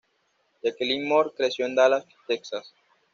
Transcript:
Jacqueline Moore creció en Dallas, Texas.